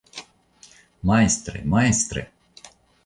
Majstre, majstre!